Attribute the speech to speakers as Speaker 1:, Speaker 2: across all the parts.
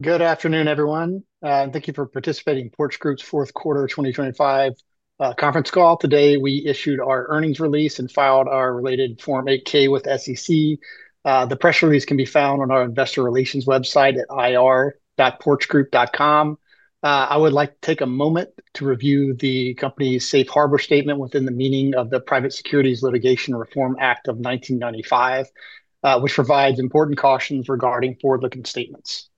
Speaker 1: Good afternoon, everyone, and thank you for participating in Porch Group's fourth quarter 2025 conference call. Today, we issued our earnings release and filed our related Form 8-K with SEC. The press release can be found on our investor relations website at ir.porchgroup.com. I would like to take a moment to review the company's safe harbor statement within the meaning of the Private Securities Litigation Reform Act of 1995, which provides important cautions regarding forward-looking statements.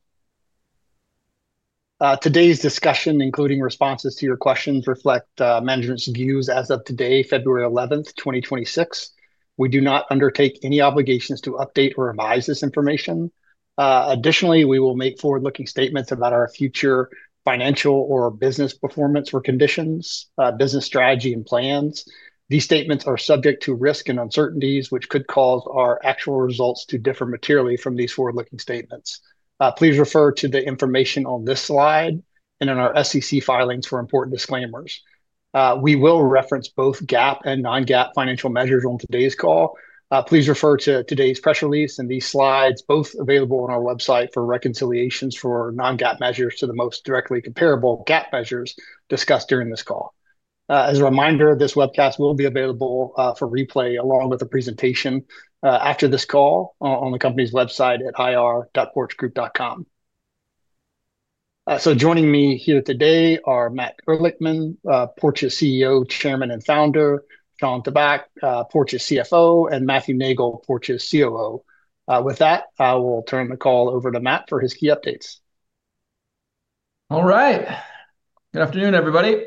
Speaker 1: Today's discussion, including responses to your questions, reflect management's views as of today, February 11th, 2026. We do not undertake any obligations to update or revise this information. Additionally, we will make forward-looking statements about our future financial or business performance or conditions, business strategy, and plans. These statements are subject to risk and uncertainties, which could cause our actual results to differ materially from these forward-looking statements. Please refer to the information on this slide and in our SEC filings for important disclaimers. We will reference both GAAP and non-GAAP financial measures on today's call. Please refer to today's press release and these slides, both available on our website, for reconciliations for non-GAAP measures to the most directly comparable GAAP measures discussed during this call. As a reminder, this webcast will be available for replay along with the presentation after this call on the company's website at ir.porchgroup.com. So joining me here today are Matt Ehrlichman, Porch's CEO, Chairman, and Founder; Shawn Tabak, Porch's CFO; and Matthew Neagle, Porch's COO. With that, I will turn the call over to Matt for his key updates.
Speaker 2: All right. Good afternoon, everybody.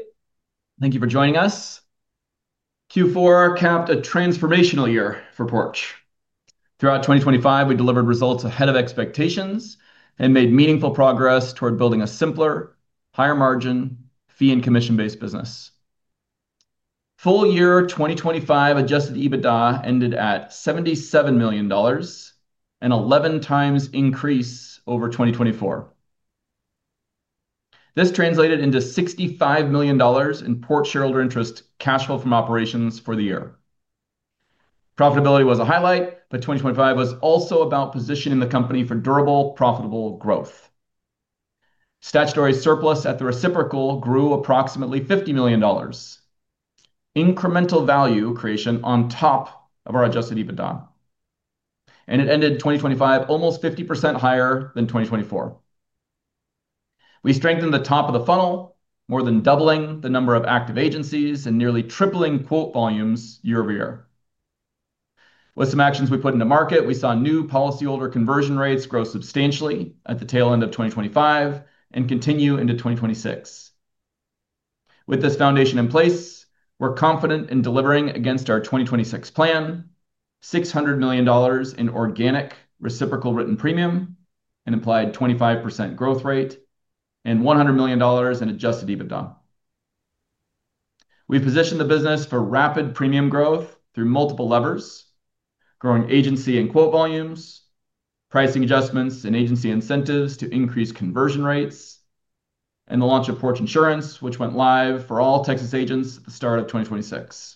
Speaker 2: Thank you for joining us. Q4 capped a transformational year for Porch. Throughout 2025, we delivered results ahead of expectations and made meaningful progress toward building a simpler, higher margin, fee and commission-based business. Full year 2025 Adjusted EBITDA ended at $77 million, an 11x increase over 2024. This translated into $65 million in Porch shareholder interest cash flow from operations for the year. Profitability was a highlight, but 2025 was also about positioning the company for durable, profitable growth. Statutory surplus at the reciprocal grew approximately $50 million, incremental value creation on top of our Adjusted EBITDA, and it ended 2025 almost 50% higher than 2024. We strengthened the top of the funnel, more than doubling the number of active agencies and nearly tripling quote volumes year-over-year. With some actions we put into market, we saw new policyholder conversion rates grow substantially at the tail end of 2025 and continue into 2026. With this foundation in place, we're confident in delivering against our 2026 plan, $600 million in organic reciprocal written premium, an implied 25% growth rate, and $100 million in Adjusted EBITDA. We've positioned the business for rapid premium growth through multiple levers: growing agency and quote volumes, pricing adjustments and agency incentives to increase conversion rates, and the launch of Porch Insurance, which went live for all Texas agents at the start of 2026.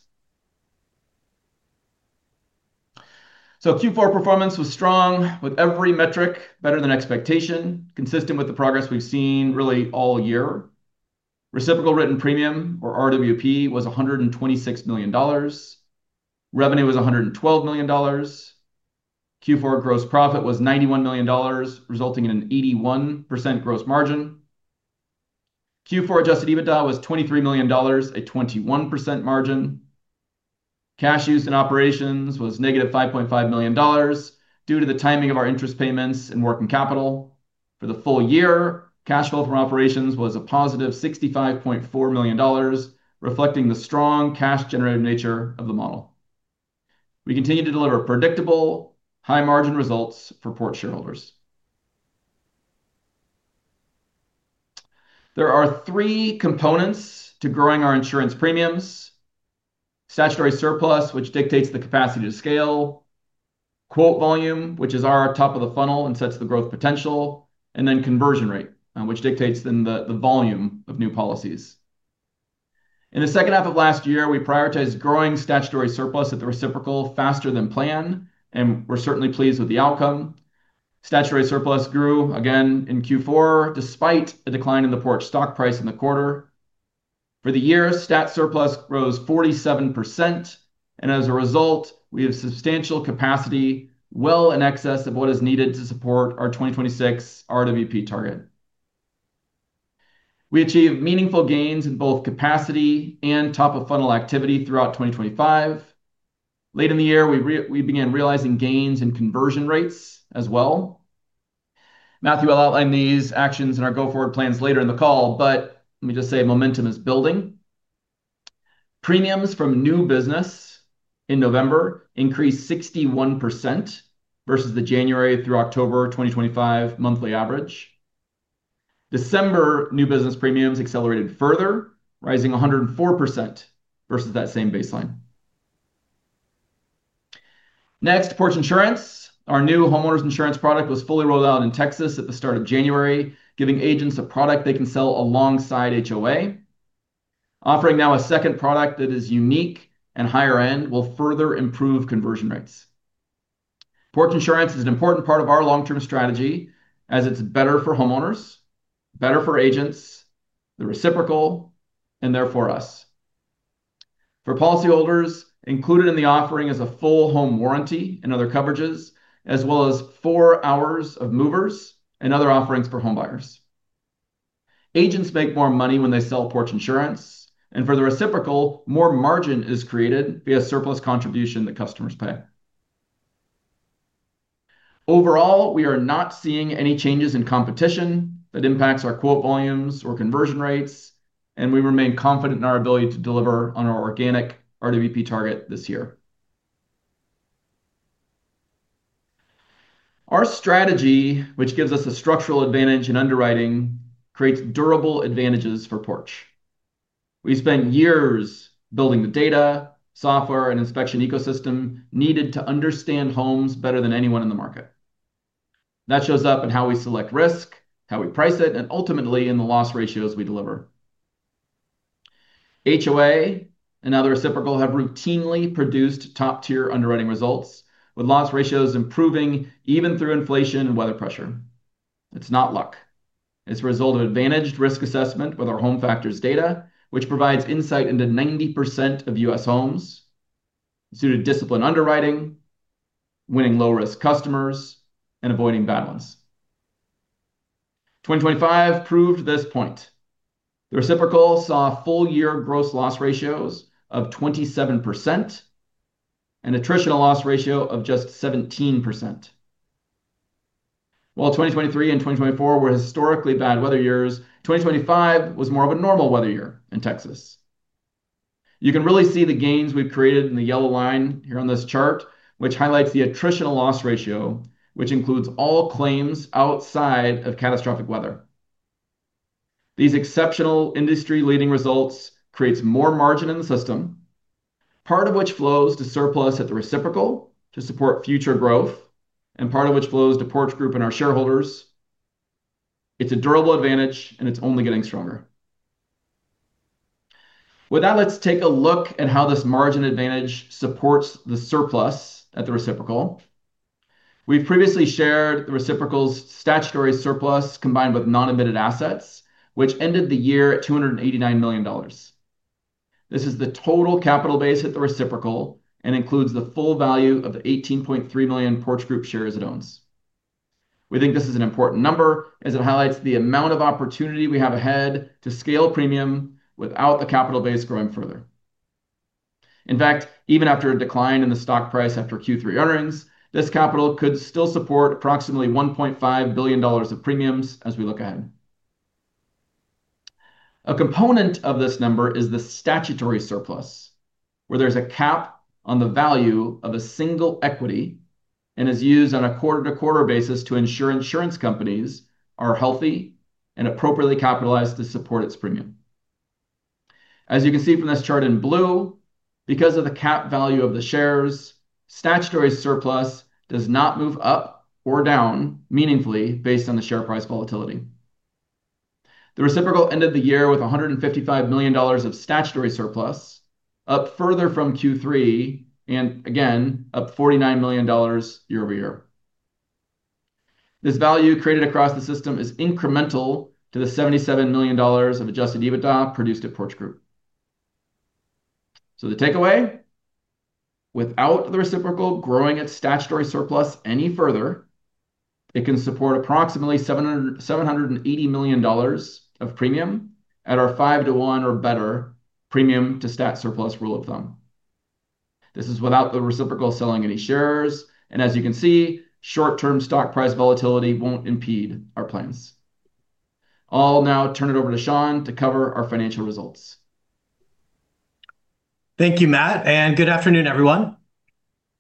Speaker 2: So Q4 performance was strong, with every metric better than expectation, consistent with the progress we've seen really all year. Reciprocal written premium, or RWP, was $126 million. Revenue was $112 million. Q4 gross profit was $91 million, resulting in an 81% gross margin. Q4 Adjusted EBITDA was $23 million, a 21% margin. Cash used in operations was -$5.5 million due to the timing of our interest payments and working capital. For the full year, cash flow from operations was a positive $65.4 million, reflecting the strong cash-generative nature of the model. We continue to deliver predictable, high-margin results for Porch shareholders. There are three components to growing our insurance premiums: statutory surplus, which dictates the capacity to scale, quote volume, which is our top of the funnel and sets the growth potential, and then conversion rate, which dictates then the volume of new policies. In the second half of last year, we prioritized growing statutory surplus at the reciprocal faster than planned, and we're certainly pleased with the outcome. Statutory surplus grew again in Q4, despite a decline in the Porch stock price in the quarter. For the year, statutory surplus rose 47%, and as a result, we have substantial capacity well in excess of what is needed to support our 2026 RWP target. We achieved meaningful gains in both capacity and top-of-funnel activity throughout 2025. Late in the year, we began realizing gains in conversion rates as well. Matthew will outline these actions and our go-forward plans later in the call, but let me just say momentum is building. Premiums from new business in November increased 61% versus the January through October 2025 monthly average. December new business premiums accelerated further, rising 104% versus that same baseline. Next, Porch Insurance. Our new homeowners' insurance product was fully rolled out in Texas at the start of January, giving agents a product they can sell alongside HOA, offering now a second product that is unique and higher end will further improve conversion rates. Porch Insurance is an important part of our long-term strategy, as it's better for homeowners, better for agents, the reciprocal, and therefore us. For policyholders, included in the offering is a full home warranty and other coverages, as well as four hours of movers and other offerings for home buyers. Agents make more money when they sell Porch Insurance, and for the reciprocal, more margin is created via surplus contribution that customers pay. Overall, we are not seeing any changes in competition that impacts our quote volumes or conversion rates, and we remain confident in our ability to deliver on our organic RWP target this year. Our strategy, which gives us a structural advantage in underwriting, creates durable advantages for Porch. We spent years building the data, software, and inspection ecosystem needed to understand homes better than anyone in the market. That shows up in how we select risk, how we price it, and ultimately in the loss ratios we deliver. HOA and other reciprocal have routinely produced top-tier underwriting results, with loss ratios improving even through inflation and weather pressure. It's not luck. It's a result of advantaged risk assessment with our Home Factors data, which provides insight into 90% of U.S. homes, suited discipline underwriting, winning low-risk customers, and avoiding bad ones. 2025 proved this point. The reciprocal saw full-year gross loss ratios of 27% and attritional loss ratio of just 17%. While 2023 and 2024 were historically bad weather years, 2025 was more of a normal weather year in Texas. You can really see the gains we've created in the yellow line here on this chart, which highlights the attritional loss ratio, which includes all claims outside of catastrophic weather. These exceptional industry-leading results creates more margin in the system, part of which flows to surplus at the reciprocal to support future growth, and part of which flows to Porch Group and our shareholders. It's a durable advantage, and it's only getting stronger. With that, let's take a look at how this margin advantage supports the surplus at the reciprocal. We've previously shared the reciprocal's statutory surplus, combined with non-admitted assets, which ended the year at $289 million. This is the total capital base at the reciprocal and includes the full value of the 18.3 million Porch Group shares it owns. We think this is an important number as it highlights the amount of opportunity we have ahead to scale premium without the capital base growing further. In fact, even after a decline in the stock price after Q3 earnings, this capital could still support approximately $1.5 billion of premiums as we look ahead. A component of this number is the statutory surplus, where there's a cap on the value of a single equity and is used on a quarter-to-quarter basis to ensure insurance companies are healthy and appropriately capitalized to support its premium. As you can see from this chart in blue, because of the cap value of the shares, statutory surplus does not move up or down meaningfully based on the share price volatility. The reciprocal ended the year with $155 million of statutory surplus, up further from Q3, and again, up $49 million year-over-year. This value created across the system is incremental to the $77 million of Adjusted EBITDA produced at Porch Group. So the takeaway, without the reciprocal growing its statutory surplus any further, it can support approximately $700-$780 million of premium at our five-to-one or better premium to stat surplus rule of thumb. This is without the reciprocal selling any shares, and as you can see, short-term stock price volatility won't impede our plans. I'll now turn it over to Shawn to cover our financial results.
Speaker 3: Thank you, Matt, and good afternoon, everyone.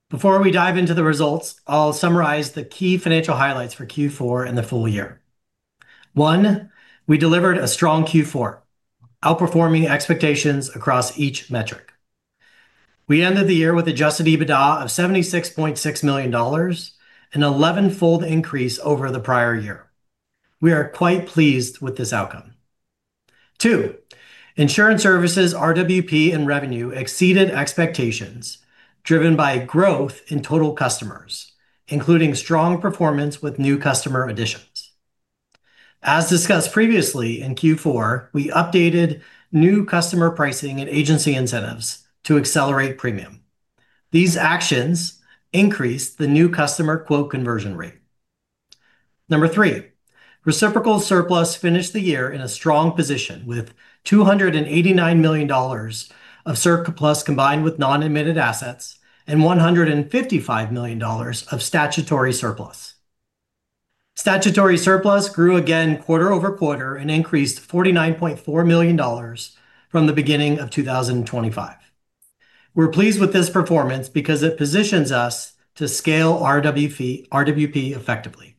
Speaker 3: Before we dive into the results, I'll summarize the key financial highlights for Q4 and the full year. One, we delivered a strong Q4, outperforming expectations across each metric. We ended the year with Adjusted EBITDA of $76.6 million, an 11-fold increase over the prior year. We are quite pleased with this outcome. Two, insurance services, RWP, and revenue exceeded expectations, driven by growth in total customers, including strong performance with new customer additions. As discussed previously, in Q4, we updated new customer pricing and agency incentives to accelerate premium. These actions increased the new customer quote conversion rate. Number three, reciprocal surplus finished the year in a strong position, with $289 million of surplus combined with non-admitted assets and $155 million of statutory surplus. Statutory surplus grew again quarter-over-quarter and increased $49.4 million from the beginning of 2025. We're pleased with this performance because it positions us to scale RWP, RWP effectively.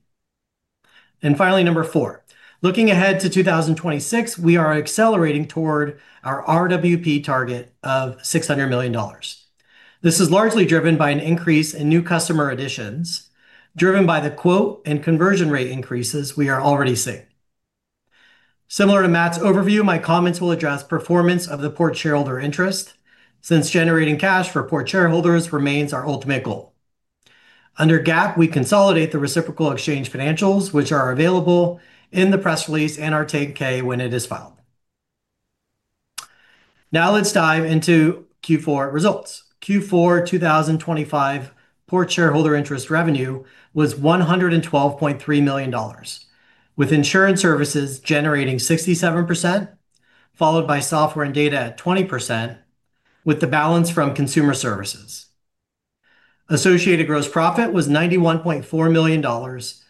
Speaker 3: And finally, number four, looking ahead to 2026, we are accelerating toward our RWP target of $600 million. This is largely driven by an increase in new customer additions, driven by the quote and conversion rate increases we are already seeing. Similar to Matt's overview, my comments will address performance of the Porch shareholder interest, since generating cash for Porch shareholders remains our ultimate goal. Under GAAP, we consolidate the reciprocal exchange financials, which are available in the press release and our 10-K when it is filed. Now let's dive into Q4 results. Q4 2025 Porch shareholder interest revenue was $112.3 million, with Insurance Services generating 67%, followed by Software and Data at 20%, with the balance from Consumer Services. Associated gross profit was $91.4 million,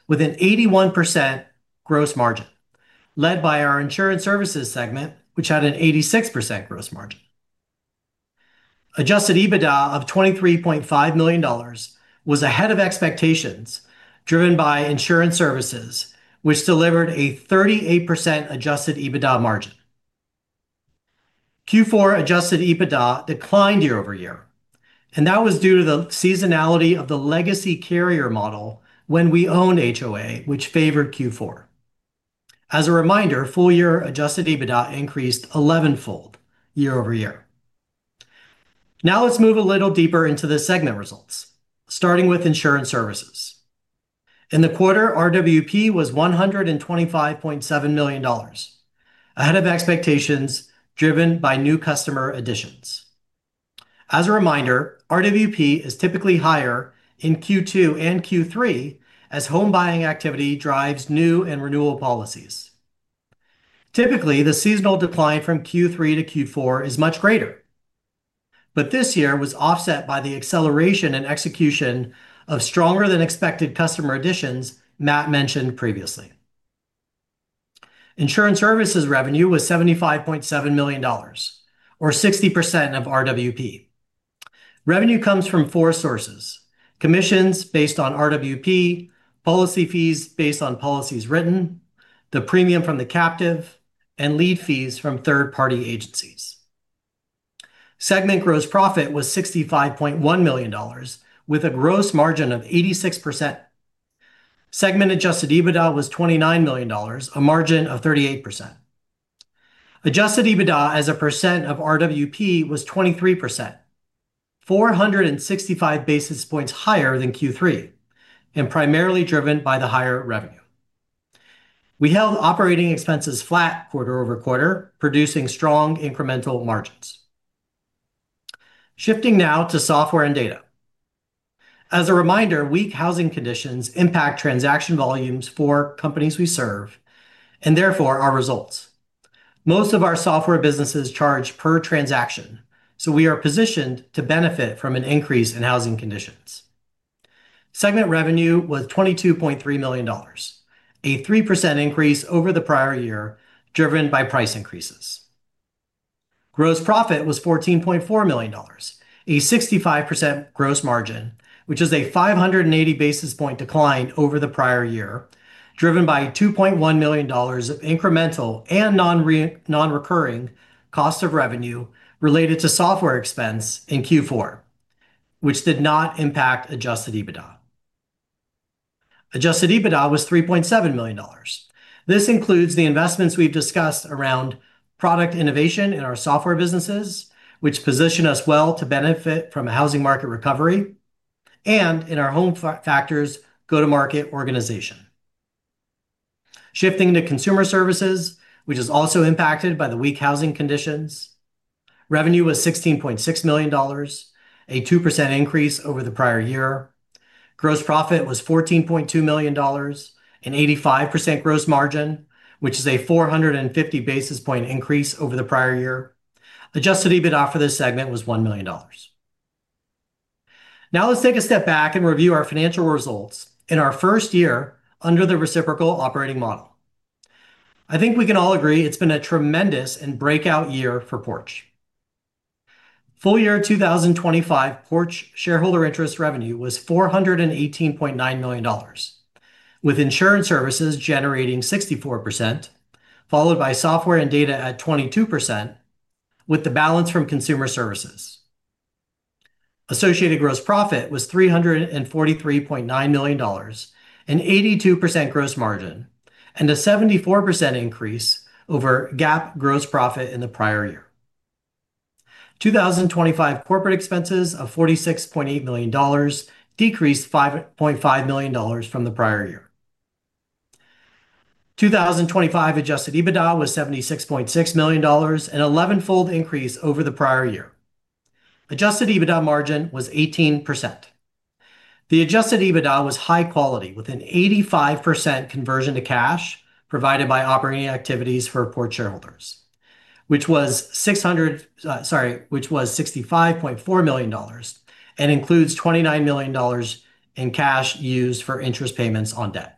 Speaker 3: with an 81% gross margin, led by our Insurance Services segment, which had an 86% gross margin. Adjusted EBITDA of $23.5 million was ahead of expectations, driven by Insurance Services, which delivered a 38% Adjusted EBITDA margin. Q4 Adjusted EBITDA declined year-over-year, and that was due to the seasonality of the legacy carrier model when we owned HOA, which favored Q4. As a reminder, full year Adjusted EBITDA increased elevenfold year-over-year. Now, let's move a little deeper into the segment results, starting with Insurance Services. In the quarter, RWP was $125.7 million, ahead of expectations driven by new customer additions. As a reminder, RWP is typically higher in Q2 and Q3 as home buying activity drives new and renewal policies. Typically, the seasonal decline from Q3 to Q4 is much greater, but this year was offset by the acceleration and execution of stronger than expected customer additions Matt mentioned previously. Insurance services revenue was $75.7 million, or 60% of RWP. Revenue comes from four sources: commissions based on RWP, policy fees based on policies written, the premium from the captive, and lead fees from third-party agencies. Segment gross profit was $65.1 million, with a gross margin of 86%. Segment Adjusted EBITDA was $29 million, a margin of 38%. Adjusted EBITDA as a percent of RWP was 23%, 465 basis points higher than Q3, and primarily driven by the higher revenue. We held operating expenses flat quarter-over-quarter, producing strong incremental margins. Shifting now to software and data. As a reminder, weak housing conditions impact transaction volumes for companies we serve and therefore our results. Most of our software businesses charge per transaction, so we are positioned to benefit from an increase in housing conditions. Segment revenue was $22.3 million, a 3% increase over the prior year, driven by price increases. Gross profit was $14.4 million, a 65% gross margin, which is a 580 basis point decline over the prior year, driven by $2.1 million of incremental and non-recurring cost of revenue related to software expense in Q4, which did not impact Adjusted EBITDA. Adjusted EBITDA was $3.7 million. This includes the investments we've discussed around product innovation in our software businesses, which position us well to benefit from a housing market recovery, and in our Home Factors go-to-market organization. Shifting to consumer services, which is also impacted by the weak housing conditions, revenue was $16.6 million, a 2% increase over the prior year. Gross profit was $14.2 million, an 85% gross margin, which is a 450 basis point increase over the prior year. Adjusted EBITDA for this segment was $1 million. Now, let's take a step back and review our financial results in our first year under the reciprocal operating model. I think we can all agree it's been a tremendous and breakout year for Porch. Full year 2025, Porch shareholder interest revenue was $418.9 million, with insurance services generating 64%, followed by software and data at 22%, with the balance from consumer services. Associated gross profit was $343.9 million, an 82% gross margin, and a 74% increase over GAAP gross profit in the prior year. 2025 corporate expenses of $46.8 million decreased $5.5 million from the prior year. 2025 Adjusted EBITDA was $76.6 million, an eleven-fold increase over the prior year. Adjusted EBITDA margin was 18%. The Adjusted EBITDA was high quality, with an 85% conversion to cash provided by operating activities for Porch shareholders, which was $65.4 million, and includes $29 million in cash used for interest payments on debt.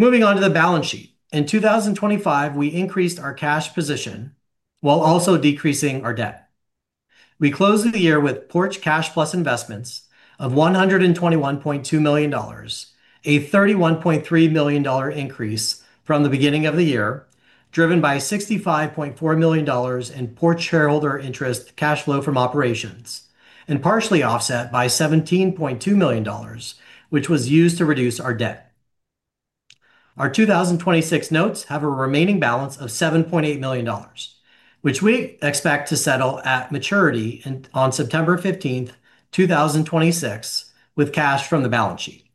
Speaker 3: Moving on to the balance sheet. In 2025, we increased our cash position while also decreasing our debt. We closed the year with Porch cash plus investments of $121.2 million, a $31.3 million increase from the beginning of the year, driven by $65.4 million in Porch shareholder interest cash flow from operations, and partially offset by $17.2 million, which was used to reduce our debt. Our 2026 notes have a remaining balance of $7.8 million, which we expect to settle at maturity in, on September 15th, 2026, with cash from the balance sheet.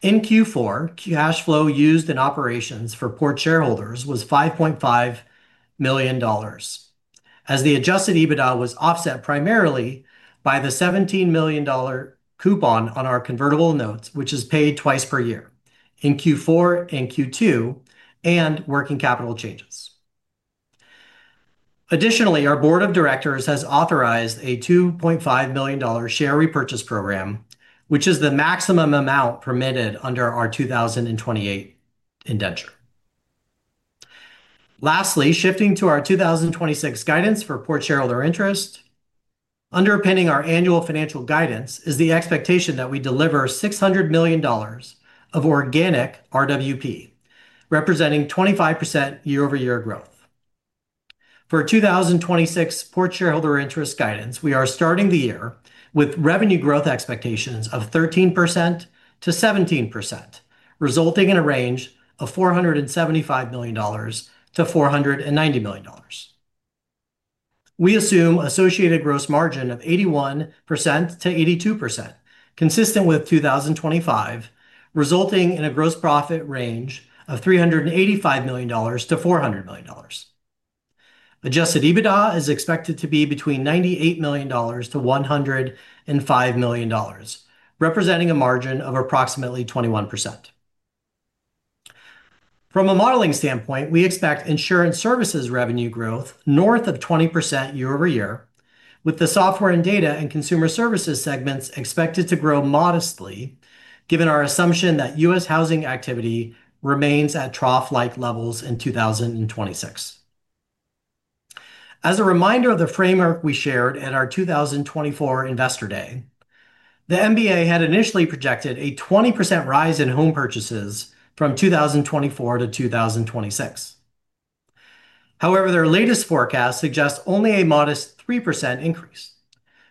Speaker 3: In Q4, cash flow used in operations for Porch shareholders was $5.5 million, as the Adjusted EBITDA was offset primarily by the $17 million coupon on our convertible notes, which is paid twice per year in Q4 and Q2, and working capital changes. Additionally, our board of directors has authorized a $2.5 million share repurchase program, which is the maximum amount permitted under our 2028 indenture. Lastly, shifting to our 2026 guidance for Porch shareholder interest, underpinning our annual financial guidance is the expectation that we deliver $600 million of organic RWP, representing 25% year-over-year growth. For 2026 Porch shareholder interest guidance, we are starting the year with revenue growth expectations of 13%-17%, resulting in a range of $475 million-$490 million. We assume associated gross margin of 81%-82%, consistent with 2025, resulting in a gross profit range of $385 million-$400 million. Adjusted EBITDA is expected to be between $98 million to $105 million, representing a margin of approximately 21%. From a modeling standpoint, we expect insurance services revenue growth north of 20% year-over-year, with the software and data and consumer services segments expected to grow modestly, given our assumption that U.S. housing activity remains at trough-like levels in 2026. As a reminder of the framework we shared in our 2024 Investor Day, the MBA had initially projected a 20% rise in home purchases from 2024 to 2026. However, their latest forecast suggests only a modest 3% increase.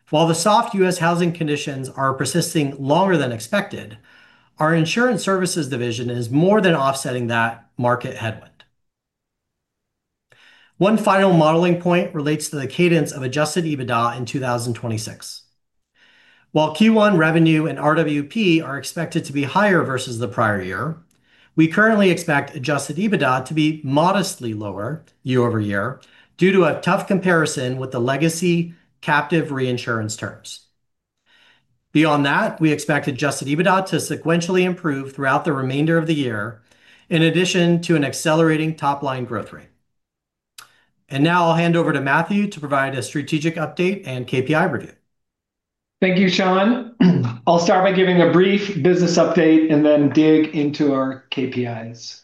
Speaker 3: While the soft U.S. housing conditions are persisting longer than expected, our insurance services division is more than offsetting that market headwind. One final modeling point relates to the cadence of Adjusted EBITDA in 2026. While Q1 revenue and RWP are expected to be higher versus the prior year, we currently expect Adjusted EBITDA to be modestly lower year-over-year due to a tough comparison with the legacy captive reinsurance terms. Beyond that, we expect Adjusted EBITDA to sequentially improve throughout the remainder of the year, in addition to an accelerating top-line growth rate. Now I'll hand over to Matthew to provide a strategic update and KPI review.
Speaker 4: Thank you, Shawn. I'll start by giving a brief business update and then dig into our KPIs.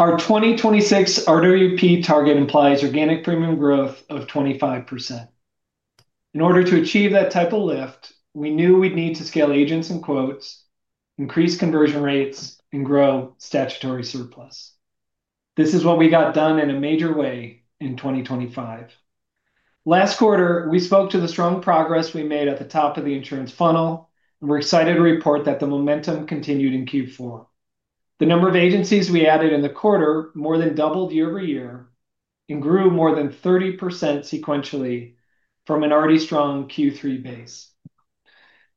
Speaker 4: Our 2026 RWP target implies organic premium growth of 25%. In order to achieve that type of lift, we knew we'd need to scale agents and quotes, increase conversion rates, and grow statutory surplus. This is what we got done in a major way in 2025. Last quarter, we spoke to the strong progress we made at the top of the insurance funnel, and we're excited to report that the momentum continued in Q4. The number of agencies we added in the quarter more than doubled year-over-year and grew more than 30% sequentially from an already strong Q3 base.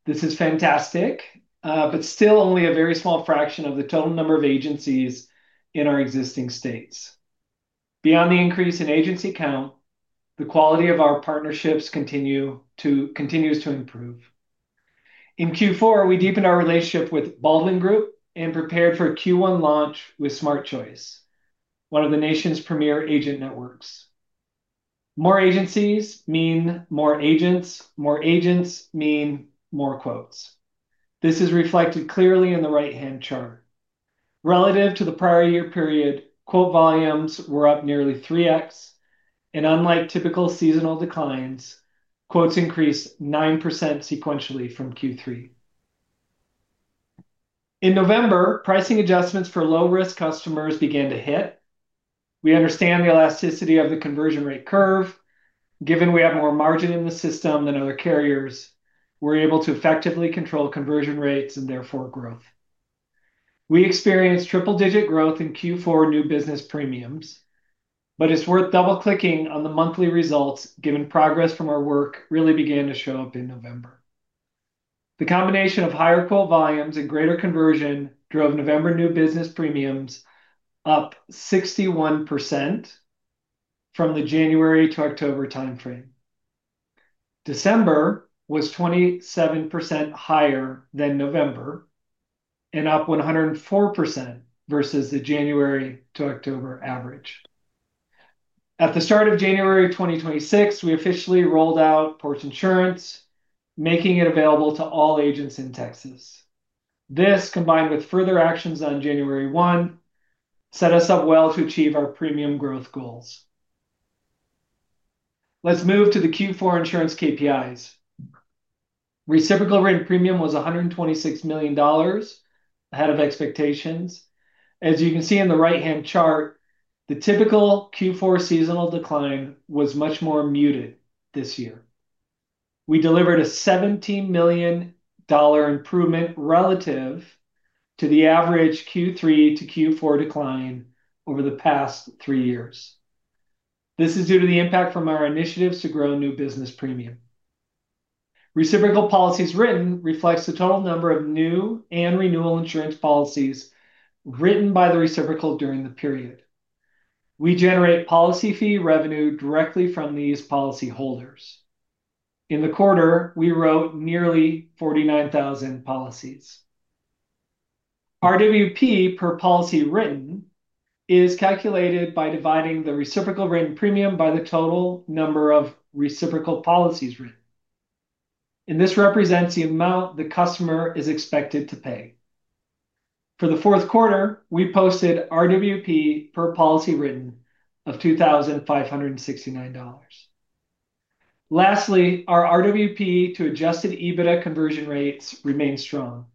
Speaker 4: This is fantastic, but still only a very small fraction of the total number of agencies in our existing states. Beyond the increase in agency count, the quality of our partnerships continues to improve. In Q4, we deepened our relationship with Baldwin Group and prepared for a Q1 launch with Smart Choice, one of the nation's premier agent networks. More agencies mean more agents. More agents mean more quotes. This is reflected clearly in the right-hand chart. Relative to the prior year period, quote volumes were up nearly 3x, and unlike typical seasonal declines, quotes increased 9% sequentially from Q3. In November, pricing adjustments for low-risk customers began to hit. We understand the elasticity of the conversion rate curve. Given we have more margin in the system than other carriers, we're able to effectively control conversion rates and therefore growth. We experienced triple-digit growth in Q4 new business premiums, but it's worth double-clicking on the monthly results, given progress from our work really began to show up in November. The combination of higher quote volumes and greater conversion drove November new business premiums up 61% from the January to October timeframe. December was 27% higher than November and up 104% versus the January to October average. At the start of January 2026, we officially rolled out Porch Insurance, making it available to all agents in Texas. This, combined with further actions on January 1, set us up well to achieve our premium growth goals. Let's move to the Q4 insurance KPIs. Reciprocal written premium was $126 million, ahead of expectations. As you can see in the right-hand chart, the typical Q4 seasonal decline was much more muted this year. We delivered a $17 million improvement relative to the average Q3 to Q4 decline over the past 3 years. This is due to the impact from our initiatives to grow new business premium. Reciprocal policies written reflects the total number of new and renewal insurance policies written by the reciprocal during the period. We generate policy fee revenue directly from these policyholders. In the quarter, we wrote nearly 49,000 policies. RWP per policy written is calculated by dividing the reciprocal written premium by the total number of reciprocal policies written, and this represents the amount the customer is expected to pay. For the fourth quarter, we posted RWP per policy written of $2,569. Lastly, our RWP to Adjusted EBITDA conversion rates remain strong.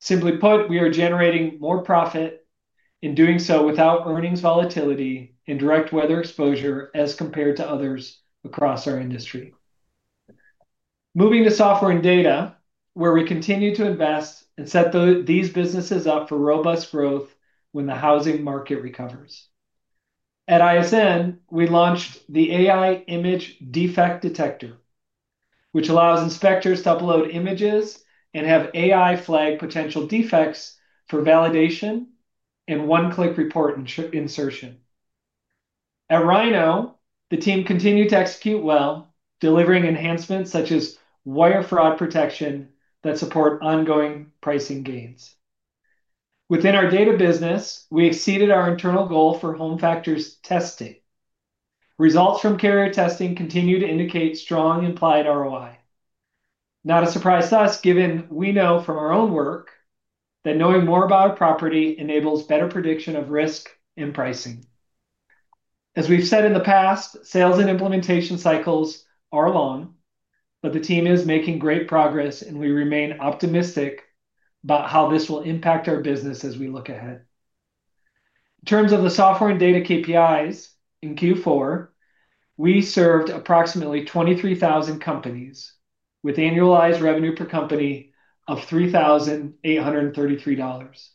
Speaker 4: Simply put, we are generating more profit in doing so without earnings volatility and direct weather exposure as compared to others across our industry. Moving to software and data, where we continue to invest and set these businesses up for robust growth when the housing market recovers. At ISN, we launched the AI Image Defect Detector, which allows inspectors to upload images and have AI flag potential defects for validation and one-click report insertion. At Rynoh, the team continued to execute well, delivering enhancements such as wire fraud protection that support ongoing pricing gains. Within our data business, we exceeded our internal goal for Home Factors testing. Results from carrier testing continue to indicate strong implied ROI. Not a surprise to us, given we know from our own work, that knowing more about a property enables better prediction of risk and pricing. As we've said in the past, sales and implementation cycles are long, but the team is making great progress, and we remain optimistic about how this will impact our business as we look ahead. In terms of the software and data KPIs, in Q4, we served approximately 23,000 companies with annualized revenue per company of $3,833,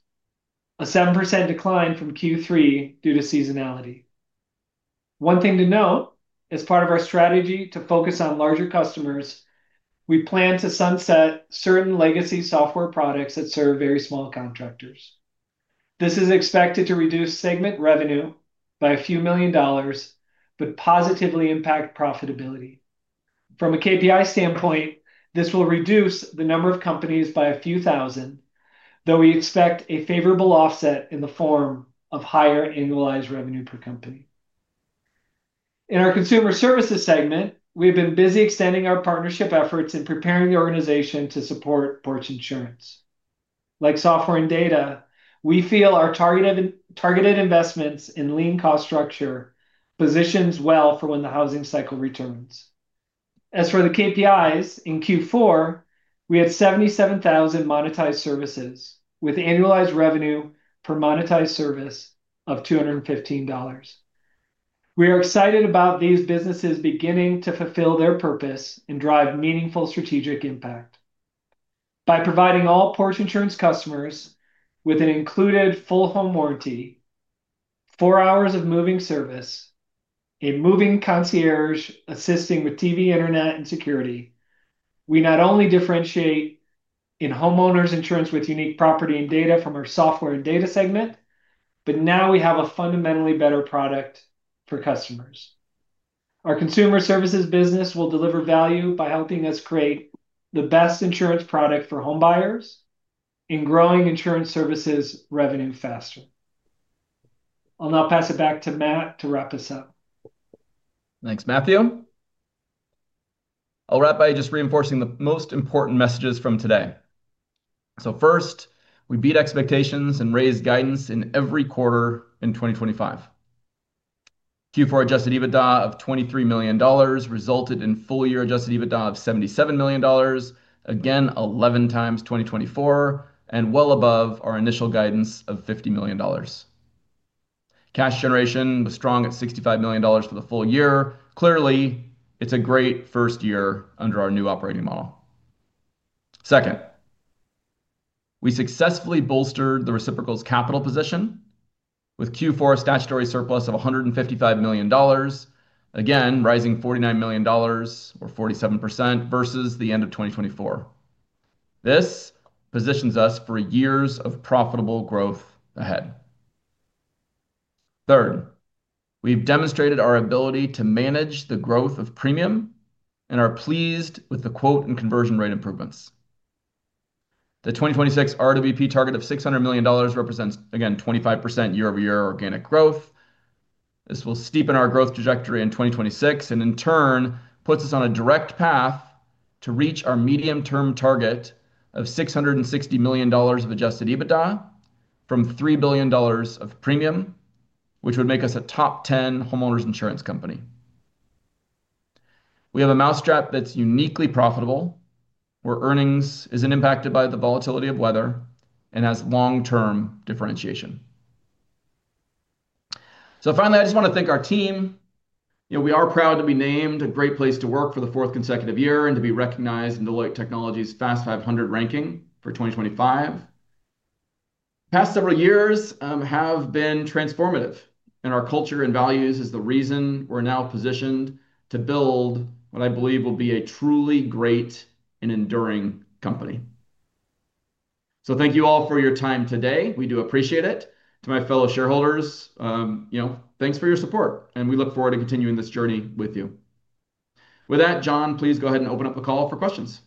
Speaker 4: a 7% decline from Q3 due to seasonality. One thing to note, as part of our strategy to focus on larger customers, we plan to sunset certain legacy software products that serve very small contractors. This is expected to reduce segment revenue by a few million, but positively impact profitability. From a KPI standpoint, this will reduce the number of companies by a few thousand, though we expect a favorable offset in the form of higher annualized revenue per company. In our consumer services segment, we have been busy extending our partnership efforts and preparing the organization to support Porch Insurance. Like Software and Data, we feel our targeted investments in lean cost structure positions well for when the housing cycle returns. As for the KPIs, in Q4, we had 77,000 monetized services, with annualized revenue per monetized service of $215. We are excited about these businesses beginning to fulfill their purpose and drive meaningful strategic impact. By providing all Porch Insurance customers with an included full-home warranty, 4 hours of moving service, a moving concierge assisting with TV, internet, and security, we not only differentiate in homeowners insurance with unique property and data from our Software and Data segment, but now we have a fundamentally better product for customers. Our consumer services business will deliver value by helping us create the best insurance product for home buyers and growing insurance services revenue faster. I'll now pass it back to Matt to wrap this up.
Speaker 2: Thanks, Matthew. I'll wrap by just reinforcing the most important messages from today. So first, we beat expectations and raised guidance in every quarter in 2025. Q4 Adjusted EBITDA of $23 million resulted in full-year Adjusted EBITDA of $77 million, again, 11x 2024, and well above our initial guidance of $50 million. Cash generation was strong at $65 million for the full year. Clearly, it's a great first year under our new operating model. Second, we successfully bolstered the reciprocal's capital position with Q4 statutory surplus of $155 million, again, rising $49 million or 47% versus the end of 2024. This positions us for years of profitable growth ahead. Third, we've demonstrated our ability to manage the growth of premium and are pleased with the quote and conversion rate improvements.... The 2026 RWP target of $600 million represents, again, 25% year-over-year organic growth. This will steepen our growth trajectory in 2026, and in turn, puts us on a direct path to reach our medium-term target of $660 million of Adjusted EBITDA from $3 billion of premium, which would make us a top 10 homeowners insurance company. We have a mousetrap that's uniquely profitable, where earnings isn't impacted by the volatility of weather and has long-term differentiation. So finally, I just want to thank our team. You know, we are proud to be named a great place to work for the fourth consecutive year and to be recognized in Deloitte's Technology Fast 500 ranking for 2025. The past several years have been transformative, and our culture and values is the reason we're now positioned to build what I believe will be a truly great and enduring company. So thank you all for your time today. We do appreciate it. To my fellow shareholders, you know, thanks for your support, and we look forward to continuing this journey with you. With that, John, please go ahead and open up the call for questions.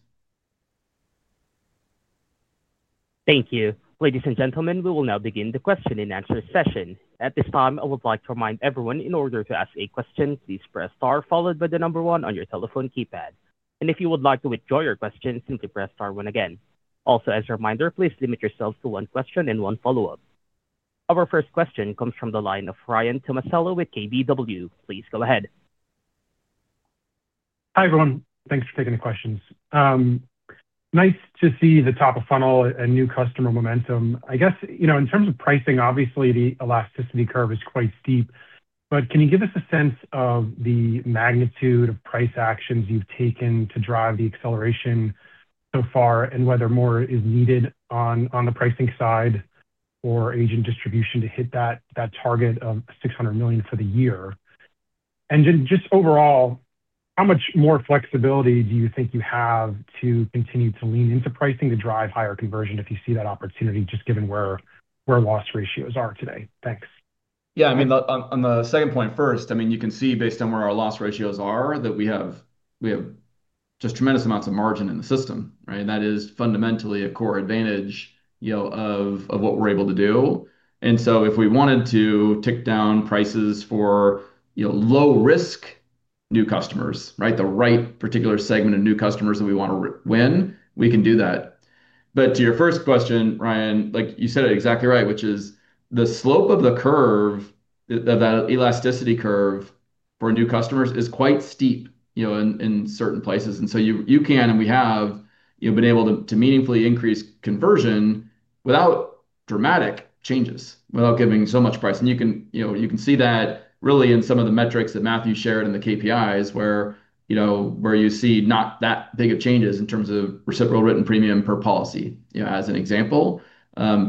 Speaker 5: Thank you. Ladies and gentlemen, we will now begin the question and answer session. At this time, I would like to remind everyone, in order to ask a question, please press Star, followed by the number one on your telephone keypad. And if you would like to withdraw your question, simply press Star one again. Also, as a reminder, please limit yourselves to one question and one follow-up. Our first question comes from the line of Ryan Tomasello with KBW. Please go ahead.
Speaker 6: Hi, everyone. Thanks for taking the questions. Nice to see the top of funnel and new customer momentum. I guess, you know, in terms of pricing, obviously, the elasticity curve is quite steep, but can you give us a sense of the magnitude of price actions you've taken to drive the acceleration so far? And whether more is needed on, on the pricing side or agent distribution to hit that, that target of $600 million for the year. And then just overall, how much more flexibility do you think you have to continue to lean into pricing to drive higher conversion if you see that opportunity, just given where, where loss ratios are today? Thanks.
Speaker 2: Yeah, I mean, on the second point first, I mean, you can see based on where our loss ratios are, that we have just tremendous amounts of margin in the system, right? And that is fundamentally a core advantage, you know, of what we're able to do. And so if we wanted to tick down prices for, you know, low-risk new customers, right, the right particular segment of new customers that we want to win, we can do that. But to your first question, Ryan, like, you said it exactly right, which is the slope of the curve of that elasticity curve for new customers is quite steep, you know, in certain places. And so you can, and we have, you know, been able to meaningfully increase conversion without dramatic changes, without giving so much price. You can, you know, you can see that really in some of the metrics that Matthew shared in the KPIs where, you know, where you see not that big of changes in terms of reciprocal written premium per policy, you know, as an example.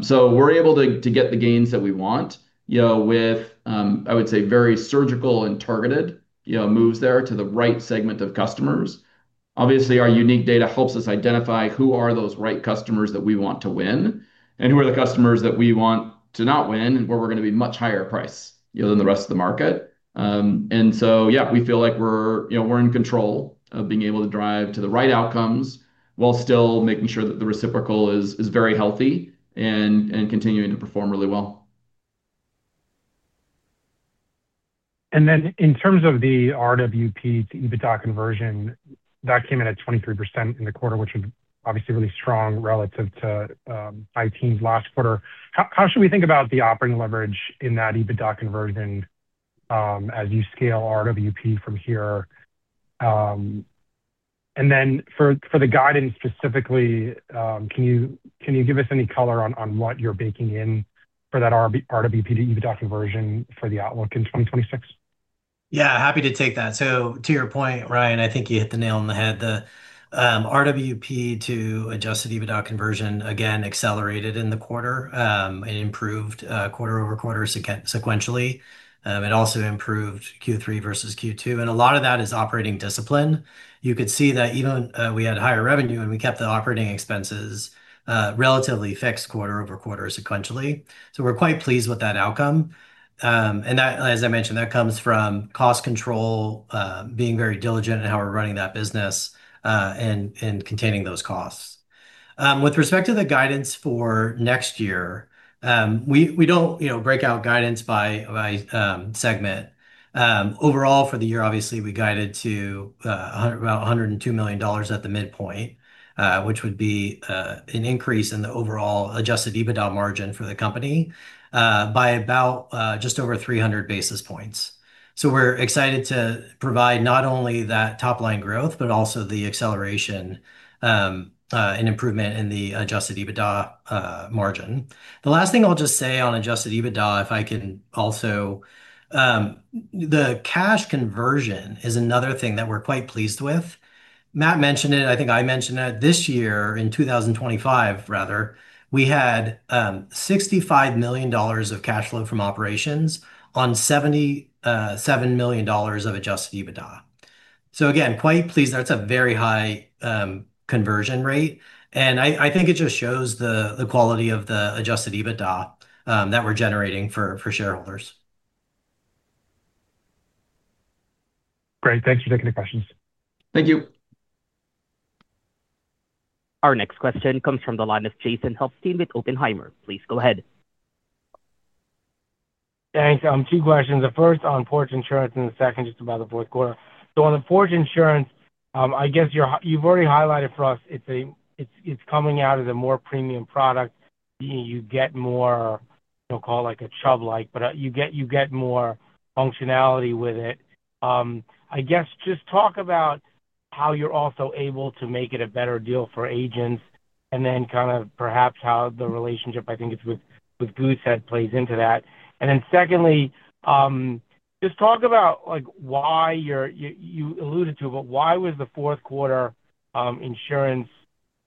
Speaker 2: So we're able to, to get the gains that we want, you know, with, I would say, very surgical and targeted, you know, moves there to the right segment of customers. Obviously, our unique data helps us identify who are those right customers that we want to win and who are the customers that we want to not win, and where we're going to be much higher price, you know, than the rest of the market. And so, yeah, we feel like we're, you know, we're in control of being able to drive to the right outcomes while still making sure that the reciprocal is very healthy and continuing to perform really well.
Speaker 6: In terms of the RWP to EBITDA conversion, that came in at 23% in the quarter, which is obviously really strong relative to 2019's last quarter. How should we think about the operating leverage in that EBITDA conversion as you scale RWP from here? And then for the guidance specifically, can you give us any color on what you're baking in for that RWP to EBITDA conversion for the outlook in 2026?
Speaker 3: Yeah, happy to take that. So to your point, Ryan, I think you hit the nail on the head. The RWP to Adjusted EBITDA conversion again accelerated in the quarter, and improved quarter-over-quarter sequentially. It also improved Q3 versus Q2, and a lot of that is operating discipline. You could see that even we had higher revenue, and we kept the operating expenses relatively fixed quarter-over-quarter sequentially. So we're quite pleased with that outcome. And that, as I mentioned, that comes from cost control, being very diligent in how we're running that business, and containing those costs. With respect to the guidance for next year, we don't, you know, break out guidance by segment. Overall, for the year, obviously, we guided to about $102 million at the midpoint, which would be an increase in the overall Adjusted EBITDA margin for the company by about just over 300 basis points. So we're excited to provide not only that top-line growth but also the acceleration and improvement in the adjusted EBITDA margin. The last thing I'll just say on Adjusted EBITDA, if I can also... The cash conversion is another thing that we're quite pleased with. Matt mentioned it, I think I mentioned that this year, in 2025 rather, we had $65 million of cash flow from operations on $77 million of Adjusted EBITDA. So again, quite pleased. That's a very high conversion rate, and I think it just shows the quality of the Adjusted EBITDA that we're generating for shareholders.
Speaker 6: Great. Thanks for taking the questions.
Speaker 2: Thank you.
Speaker 5: Our next question comes from the line of Jason Helfstein with Oppenheimer. Please go ahead.
Speaker 7: Thanks. Two questions. The first on Porch Insurance and the second just about the fourth quarter. So on the Porch Insurance, I guess you've already highlighted for us it's a more premium product. You get more, we'll call it like a Chubb-like, but you get more functionality with it. I guess just talk about how you're also able to make it a better deal for agents, and then kind of perhaps how the relationship, I think it's with Goosehead, plays into that. And then secondly, just talk about, like, why you alluded to, but why was the fourth quarter insurance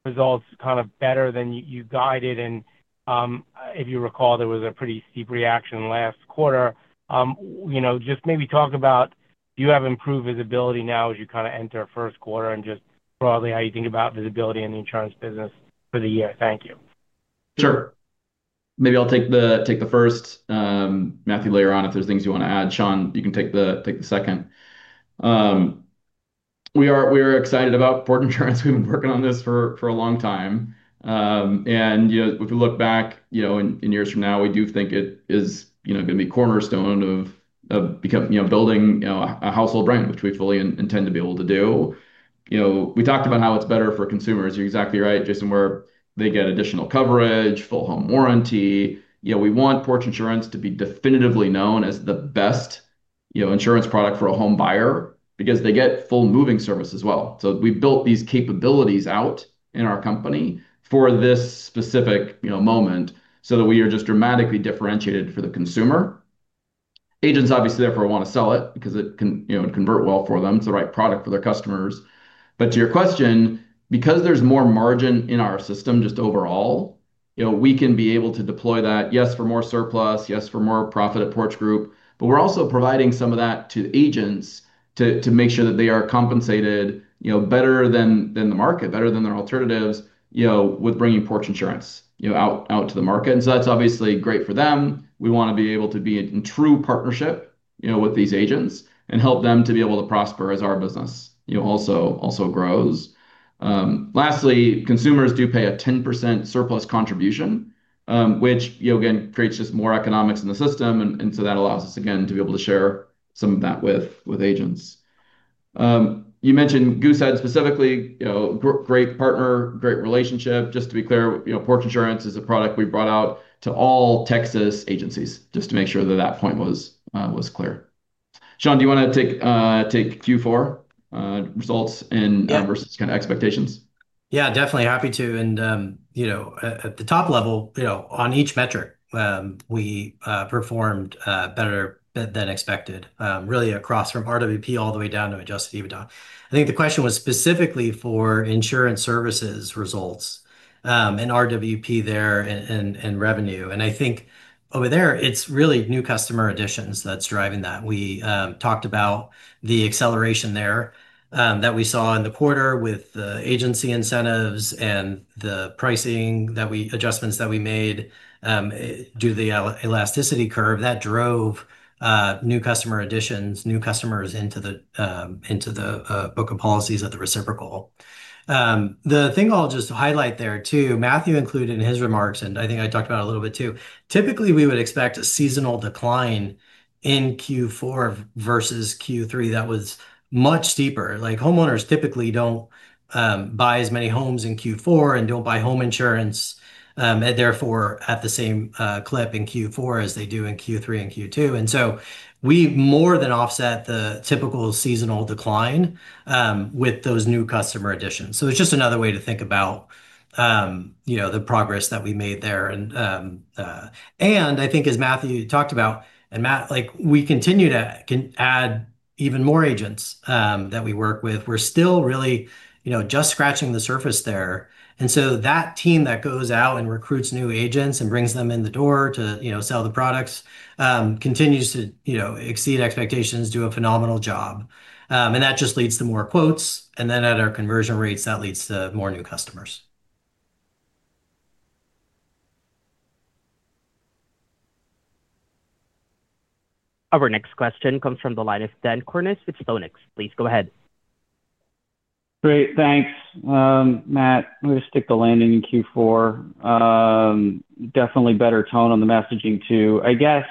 Speaker 7: results kind of better than you guided? And if you recall, there was a pretty steep reaction last quarter. You know, just maybe talk about, do you have improved visibility now as you kind of enter first quarter? And just broadly, how you think about visibility in the insurance business for the year. Thank you.
Speaker 2: Sure. Maybe I'll take the first. Matthew, later on, if there's things you want to add, Shawn, you can take the second. We are excited about Porch Insurance. We've been working on this for a long time. You know, if we look back, you know, in years from now, we do think it is, you know, gonna be a cornerstone of become—you know, building a household brand, which we fully intend to be able to do. You know, we talked about how it's better for consumers. You're exactly right, Jason, where they get additional coverage, full home warranty. You know, we want Porch Insurance to be definitively known as the best, you know, insurance product for a home buyer because they get full moving service as well. So we've built these capabilities out in our company for this specific, you know, moment, so that we are just dramatically differentiated for the consumer. Agents, obviously, therefore, want to sell it because it can, you know, convert well for them. It's the right product for their customers. But to your question, because there's more margin in our system just overall, you know, we can be able to deploy that, yes, for more surplus, yes, for more profit at Porch Group, but we're also providing some of that to agents to make sure that they are compensated, you know, better than the market, better than their alternatives, you know, with bringing Porch Insurance, you know, out to the market. And so that's obviously great for them. We want to be able to be in true partnership, you know, with these agents and help them to be able to prosper as our business, you know, also, also grows. Lastly, consumers do pay a 10% surplus contribution, which, you know, again, creates just more economics in the system, and, and so that allows us, again, to be able to share some of that with, with agents. You mentioned Goosehead specifically, you know, great partner, great relationship. Just to be clear, you know, Porch Insurance is a product we brought out to all Texas agencies, just to make sure that that point was, was clear. Shawn, do you want to take, take Q4, results and-
Speaker 3: Yeah.
Speaker 2: - versus kind of expectations?
Speaker 3: Yeah, definitely. Happy to. And, you know, at the top level, you know, on each metric, we performed better than expected, really across from RWP all the way down to adjusted EBITDA. I think the question was specifically for Insurance Services results, and RWP there and revenue. And I think over there, it's really new customer additions that's driving that. We talked about the acceleration there that we saw in the quarter with the agency incentives and the pricing adjustments that we made due to the elasticity curve. That drove new customer additions, new customers into the book of policies at the reciprocal. The thing I'll just highlight there, too, Matthew included in his remarks, and I think I talked about a little bit too: typically, we would expect a seasonal decline in Q4 versus Q3 that was much steeper. Like, homeowners typically don't buy as many homes in Q4 and don't buy home insurance, and therefore at the same clip in Q4 as they do in Q3 and Q2. So we more than offset the typical seasonal decline with those new customer additions. So it's just another way to think about, you know, the progress that we made there. I think as Matthew talked about, and Matt, like, we continue to add even more agents that we work with. We're still really, you know, just scratching the surface there. So that team that goes out and recruits new agents and brings them in the door to, you know, sell the products, continues to, you know, exceed expectations, do a phenomenal job. That just leads to more quotes, and then at our conversion rates, that leads to more new customers.
Speaker 5: Our next question comes from the line of Dan Kurnos with The Benchmark Company. Please go ahead.
Speaker 8: Great. Thanks. Matt, let me just stick the landing in Q4. Definitely better tone on the messaging, too. I guess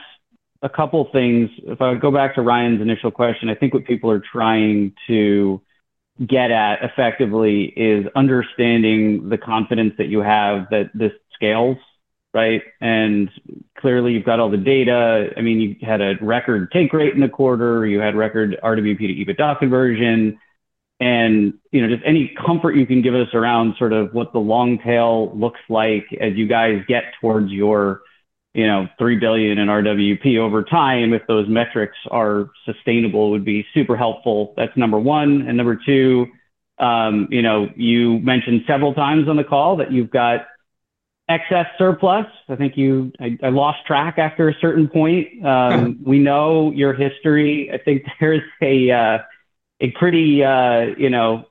Speaker 8: a couple things. If I go back to Ryan's initial question, I think what people are trying to get at effectively is understanding the confidence that you have that this scales, right? And clearly, you've got all the data. I mean, you had a record take rate in the quarter, you had record RWP to EBITDA conversion. And, you know, just any comfort you can give us around sort of what the long tail looks like as you guys get towards your, you know, $3 billion in RWP over time, if those metrics are sustainable, would be super helpful. That's number one. And number two, you know, you mentioned several times on the call that you've got excess surplus. I think you. I lost track after a certain point. We know your history. I think there's a pretty, you know,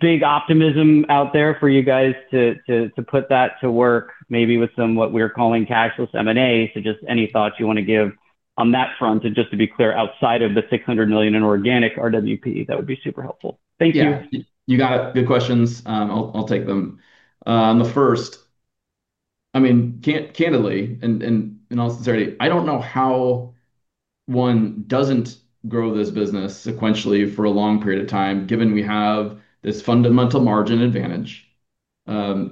Speaker 8: big optimism out there for you guys to put that to work, maybe with some what we're calling cashless M&A. So just any thoughts you want to give on that front, and just to be clear, outside of the $600 million in organic RWP, that would be super helpful. Thank you.
Speaker 2: Yeah, you got it. Good questions, I'll take them. On the first, I mean, candidly and in all sincerity, I don't know how one doesn't grow this business sequentially for a long period of time, given we have this fundamental margin advantage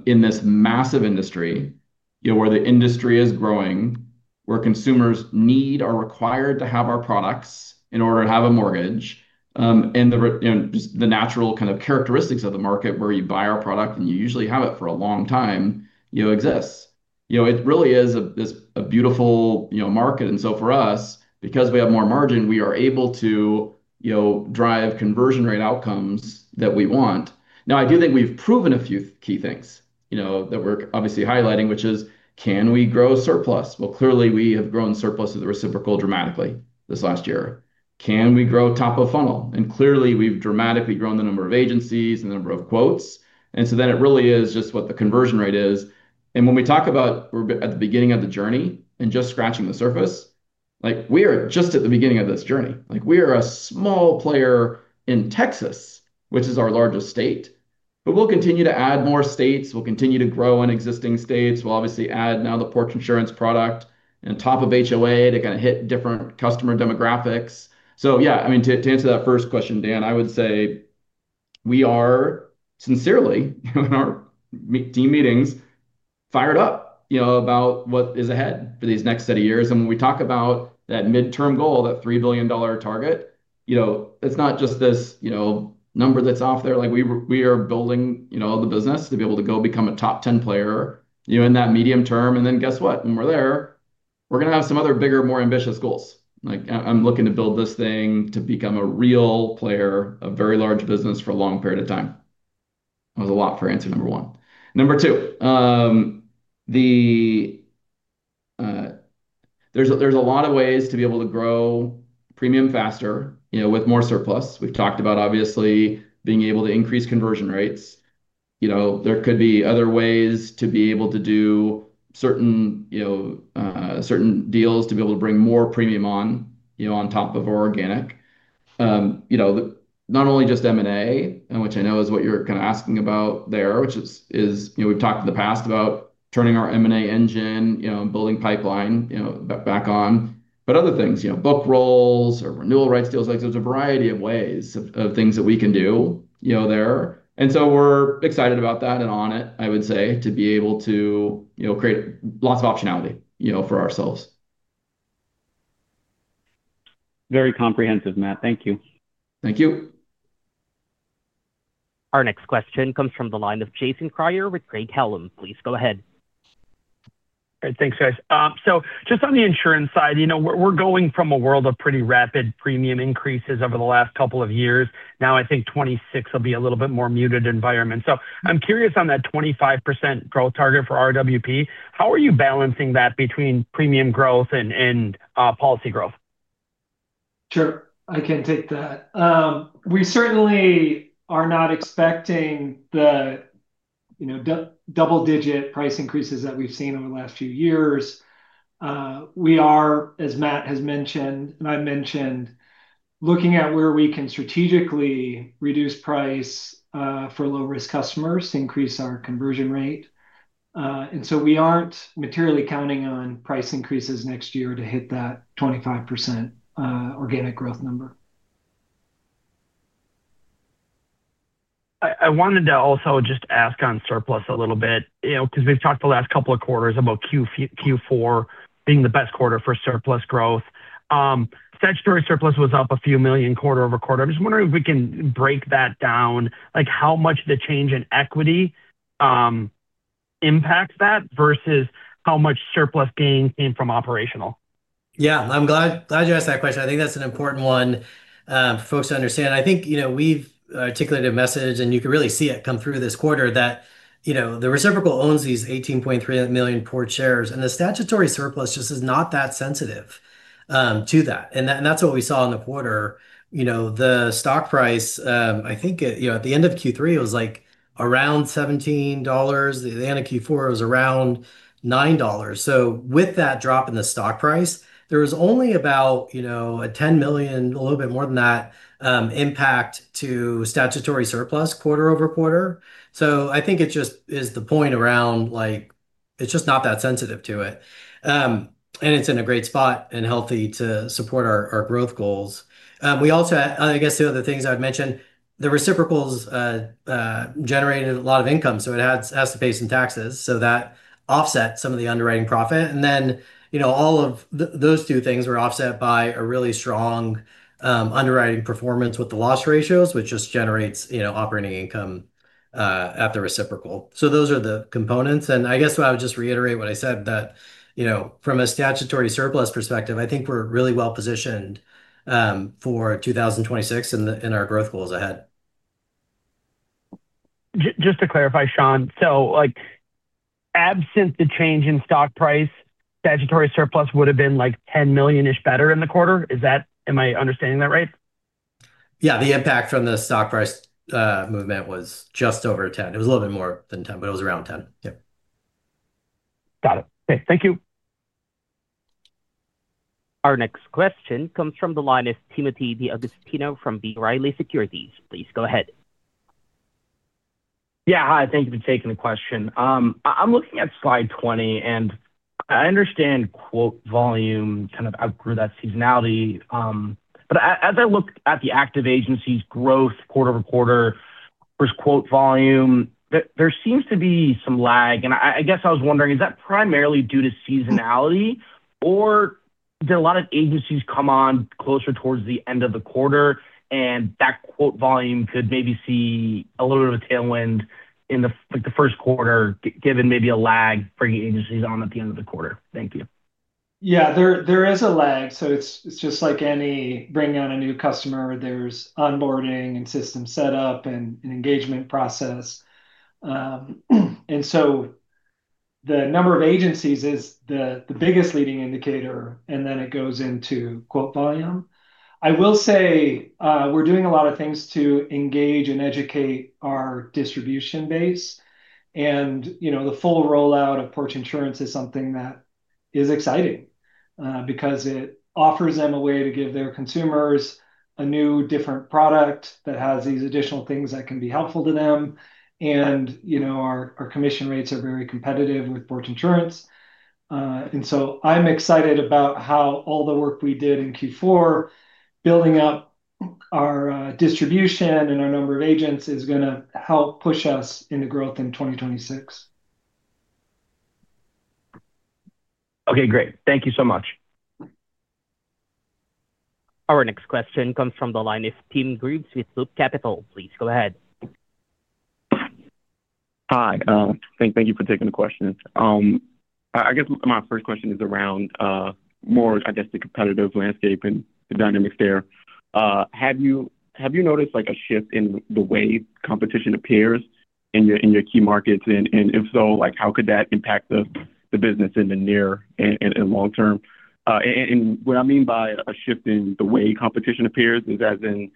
Speaker 2: in this massive industry, you know, where the industry is growing, where consumers need or are required to have our products in order to have a mortgage. And just the natural kind of characteristics of the market, where you buy our product, and you usually have it for a long time, you know, exists. You know, it really is a beautiful market. And so for us, because we have more margin, we are able to, you know, drive conversion rate outcomes that we want. Now, I do think we've proven a few key things, you know, that we're obviously highlighting, which is: Can we grow surplus? Well, clearly, we have grown surplus of the reciprocal dramatically this last year. Can we grow top of funnel? And clearly, we've dramatically grown the number of agencies and the number of quotes, and so then it really is just what the conversion rate is. And when we talk about we're at the beginning of the journey and just scratching the surface, like, we are just at the beginning of this journey. Like, we are a small player in Texas, which is our largest state. But we'll continue to add more states, we'll continue to grow in existing states. We'll obviously add now the Porch Insurance product on top of HOA to kind of hit different customer demographics. So yeah, I mean, to answer that first question, Dan, I would say we are sincerely, in our team meetings, fired up, you know, about what is ahead for these next set of years. And when we talk about that midterm goal, that $3 billion target, you know, it's not just this, you know, number that's off there. Like, we are building, you know, the business to be able to go become a top 10 player, you know, in that medium term. And then, guess what? When we're there, we're gonna have some other bigger, more ambitious goals. Like, I'm looking to build this thing to become a real player, a very large business for a long period of time. That was a lot for answer number one. Number two, there's a lot of ways to be able to grow premium faster, you know, with more surplus. We've talked about obviously, being able to increase conversion rates. You know, there could be other ways to be able to do certain, you know, certain deals to be able to bring more premium on, you know, on top of our organic. You know, not only just M&A, and which I know is what you're kind of asking about there, which is. You know, we've talked in the past about turning our M&A engine, you know, and building pipeline, you know, back on, but other things, you know, book rolls or renewal rights deals. Like, there's a variety of ways of things that we can do, you know, there. And so we're excited about that, and on it, I would say, to be able to, you know, create lots of optionality, you know, for ourselves.
Speaker 8: Very comprehensive, Matt. Thank you.
Speaker 2: Thank you.
Speaker 5: Our next question comes from the line of Jason Kreyer with Craig-Hallum. Please go ahead.
Speaker 9: Great. Thanks, guys. So just on the insurance side, you know, we're, we're going from a world of pretty rapid premium increases over the last couple of years. Now, I think 26 will be a little bit more muted environment. So I'm curious on that 25% growth target for RWP, how are you balancing that between premium growth and, and policy growth?
Speaker 3: Sure, I can take that. We certainly are not expecting the, you know, double-digit price increases that we've seen over the last few years. We are, as Matt has mentioned and I mentioned, looking at where we can strategically reduce price for low-risk customers to increase our conversion rate. And so we aren't materially counting on price increases next year to hit that 25% organic growth number.
Speaker 9: I wanted to also just ask on surplus a little bit, you know, because we've talked the last couple of quarters about Q4, Q4 being the best quarter for surplus growth. Statutory surplus was up a few million quarter-over-quarter. I'm just wondering if we can break that down, like, how much the change in equity impacts that versus how much surplus gain came from operational?
Speaker 3: Yeah, I'm glad, glad you asked that question. I think that's an important one, for folks to understand. I think, you know, we've articulated a message, and you can really see it come through this quarter, that, you know, the reciprocal owns these 18.3 million Porch shares, and the statutory surplus just is not that sensitive, to that. And that, and that's what we saw in the quarter. You know, the stock price, I think, it, you know, at the end of Q3, it was, like, around $17, at the end of Q4, it was around $9. So with that drop in the stock price, there was only about, you know, a $10 million, a little bit more than that, impact to statutory surplus quarter-over-quarter. So I think it just is the point around, like, it's just not that sensitive to it. And it's in a great spot and healthy to support our, our growth goals. We also... I guess the other things I would mention, the reciprocals generated a lot of income, so it has, has to pay some taxes, so that offset some of the underwriting profit. And then, you know, all of those two things were offset by a really strong, underwriting performance with the loss ratios, which just generates, you know, operating income, at the reciprocal. So those are the components. And I guess I would just reiterate what I said, that, you know, from a statutory surplus perspective, I think we're really well positioned, for 2026 and and our growth goals ahead.
Speaker 9: Just to clarify, Shawn, so, like, absent the change in stock price, statutory surplus would've been, like, $10 million-ish better in the quarter? Is that? Am I understanding that right?
Speaker 3: Yeah, the impact from the stock price movement was just over 10. It was a little bit more than 10, but it was around 10. Yeah.
Speaker 9: Got it. Okay. Thank you.
Speaker 5: Our next question comes from the line of Timothy D'Agostino from B. Riley Securities. Please go ahead.
Speaker 10: Yeah. Hi, thank you for taking the question. I'm looking at Slide 20, and I understand quote volume kind of outgrew that seasonality. But as I look at the active agencies growth quarter-over-quarter versus quote volume, there seems to be some lag. And I guess I was wondering, is that primarily due to seasonality, or do a lot of agencies come on closer towards the end of the quarter, and that quote volume could maybe see a little bit of a tailwind in the, like, the first quarter, given maybe a lag bringing agencies on at the end of the quarter? Thank you.
Speaker 4: Yeah, there is a lag. So it's just like any bringing on a new customer. There's onboarding and system setup and an engagement process. And so the number of agencies is the biggest leading indicator, and then it goes into quote volume. I will say, we're doing a lot of things to engage and educate our distribution base. And, you know, the full rollout of Porch Insurance is something that is exciting, because it offers them a way to give their consumers a new, different product that has these additional things that can be helpful to them. And, you know, our commission rates are very competitive with Porch Insurance. And so I'm excited about how all the work we did in Q4, building up our distribution and our number of agents, is gonna help push us into growth in 2026.
Speaker 10: Okay, great. Thank you so much.
Speaker 5: Our next question comes from the line of Tim Grubbs with Loop Capital. Please go ahead.
Speaker 11: Hi. Thank you for taking the questions. I guess my first question is around more, I guess, the competitive landscape and the dynamics there. Have you noticed, like, a shift in the way competition appears in your key markets? And if so, like, how could that impact the business in the near and long term? And what I mean by a shift in the way competition appears is, as in,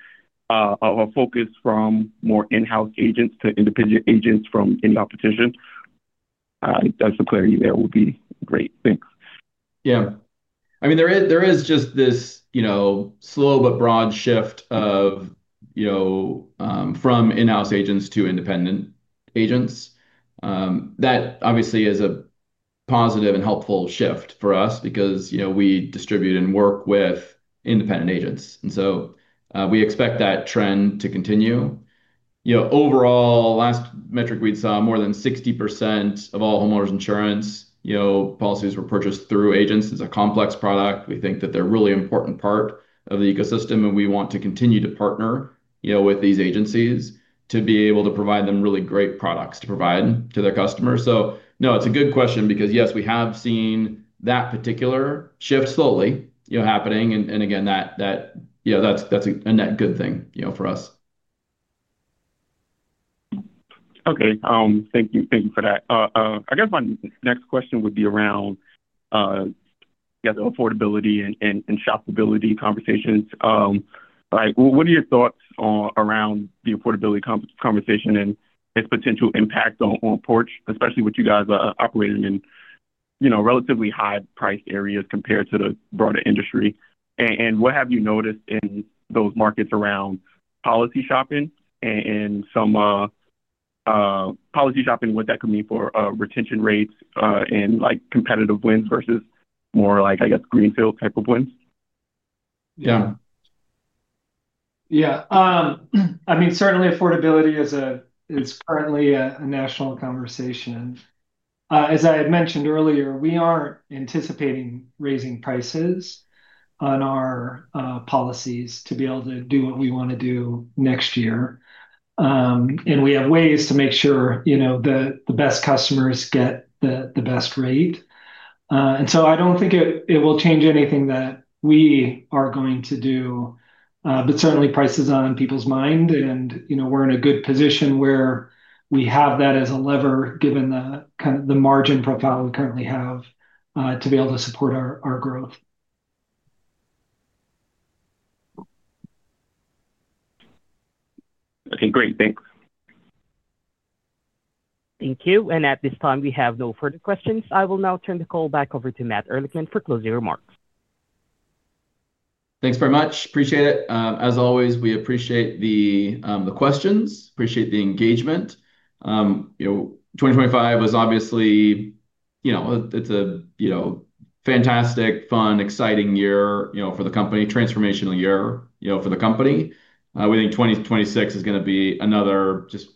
Speaker 11: a focus from more in-house agents to independent agents from in-house competition. Some clarity there would be great. Thanks.
Speaker 2: Yeah. I mean, there is, there is just this, you know, slow but broad shift of, you know, from in-house agents to independent agents. That obviously is a positive and helpful shift for us because, you know, we distribute and work with independent agents, and so, we expect that trend to continue. You know, overall, last metric we'd saw, more than 60% of all homeowners insurance, you know, policies were purchased through agents. It's a complex product. We think that they're a really important part of the ecosystem, and we want to continue to partner, you know, with these agencies to be able to provide them really great products to provide to their customers. So, no, it's a good question because, yes, we have seen that particular shift slowly, you know, happening, and again, that, you know, that's a net good thing, you know, for us.
Speaker 11: Okay. Thank you. Thank you for that. I guess my next question would be around, yeah, the affordability and, and, and shopability conversations. Like, what are your thoughts on around the affordability conversation and its potential impact on, on Porch, especially with you guys, operating in, you know, relatively high-priced areas compared to the broader industry? And, and what have you noticed in those markets around policy shopping and, and some policy shopping, what that could mean for, retention rates, and, like, competitive wins versus more like, I guess, greenfield type of wins?
Speaker 2: Yeah.
Speaker 4: Yeah. I mean, certainly affordability is currently a national conversation. As I had mentioned earlier, we aren't anticipating raising prices on our policies to be able to do what we want to do next year. And we have ways to make sure, you know, the best customers get the best rate. And so I don't think it will change anything that we are going to do. But certainly price is on people's mind, and, you know, we're in a good position where we have that as a lever, given the kind of the margin profile we currently have, to be able to support our growth.
Speaker 11: Okay, great. Thanks.
Speaker 5: Thank you. At this time, we have no further questions. I will now turn the call back over to Matt Ehrlichman for closing remarks.
Speaker 2: Thanks very much. Appreciate it. As always, we appreciate the questions, appreciate the engagement. You know, 2025 was obviously, you know, it's a, you know, fantastic, fun, exciting year, you know, for the company, transformational year, you know, for the company. We think 2026 is gonna be another just,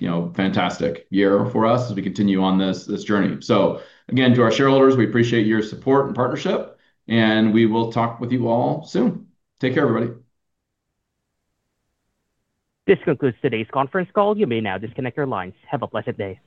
Speaker 2: you know, fantastic year for us as we continue on this, this journey. So again, to our shareholders, we appreciate your support and partnership, and we will talk with you all soon. Take care, everybody.
Speaker 5: This concludes today's conference call. You may now disconnect your lines. Have a blessed day.